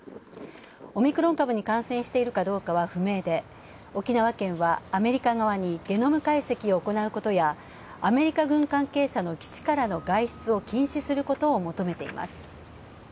オミクロン株に感染しているかどうかは不明で沖縄県はアメリカ側にゲノム解析を行うことや、アメリカ軍関係者の基地からの外出を禁止することを求めています